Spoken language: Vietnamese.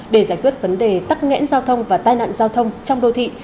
để giải quyết vấn đề tắc nghẽn giao thông và tai nạn giao thông trong đô thị